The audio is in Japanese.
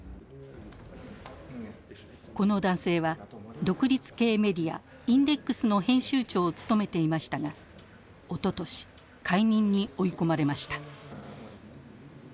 この男性は独立系メディアインデックスの編集長を務めていましたがおととし解任に追い込まれました。